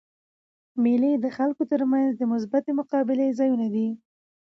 مېلې د خلکو تر منځ د مثبتي مقابلې ځایونه دي.